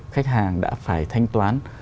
khách hàng đã phải thanh toán